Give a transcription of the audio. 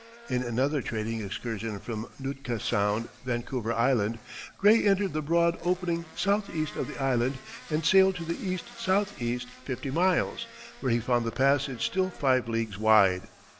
In another trading excursion from Nootka Sound, Vancouver Island, Gray entered the broad opening southeast of the island and sailed to the east southeast fifty miles, where he found the passage still five leagues wide.